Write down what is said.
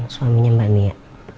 suaminya mbak nia